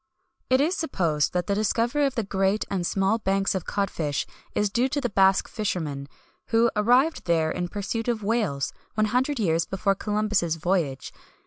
[XXI 158] It is supposed that the discovery of the great and small banks of cod fish is due to the Basque fishermen, who arrived there in pursuit of whales, one hundred years before Columbus' voyage.